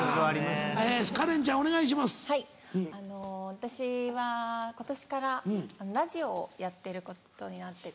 私は今年からラジオをやってることになってて。